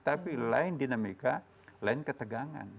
tapi lain dinamika lain ketegangan